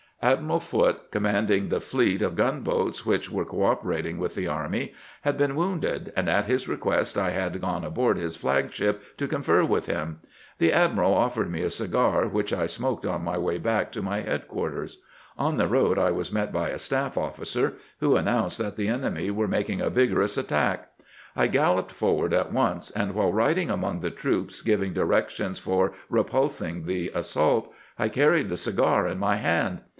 Admiral Foote, commanding the fleet of gunboats which were cooperating with the army, had been wounded, and at his request I had gone aboard his flag ship to confer with him. The admiral offered me a cigar, which I smoked on my way back to my headquarters. On the road I was met by a staff officer, who announced that the enemy were making a vigorous attack. I galloped forward at once, and while riding among the troops giving directions for repulsing the assault I carried the cigar in my hand.